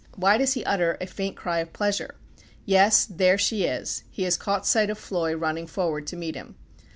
Why does he utter a faint cry of pleasure? Yes, there she is he has caught sight of Floy running forward to meet him.